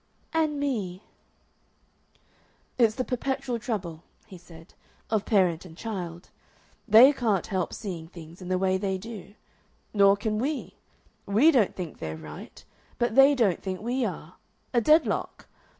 "And me...." "It's the perpetual trouble," he said, "of parent and child. They can't help seeing things in the way they do. Nor can we. WE don't think they're right, but they don't think we are. A deadlock.